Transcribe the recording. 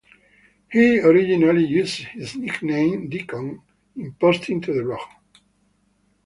He originally used his nickname Deacon in posting to the blog.